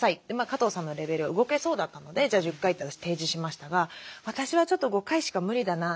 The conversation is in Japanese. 加藤さんのレベルは動けそうだったのでじゃあ１０回って私提示しましたが私はちょっと５回しか無理だな。